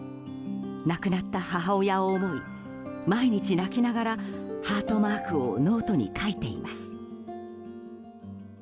亡くなった母親を思い毎日、泣きながらハートマークをノートに描いています。